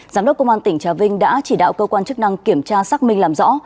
giám đốc công an tỉnh trà vinh đã chỉ đạo cơ quan chức năng kiểm tra xác minh làm rõ